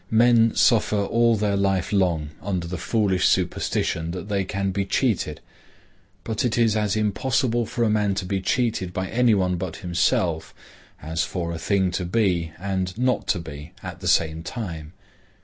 Men suffer all their life long under the foolish superstition that they can be cheated. But it is as impossible for a man to be cheated by any one but himself, as for a thing to be and not to be at the same time.